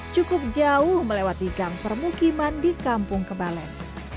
cukup jauh melewati gang permukiman di kampung kebalen